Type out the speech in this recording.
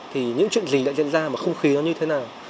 thì những chuyện gì đã diễn ra mà không khí nó như thế nào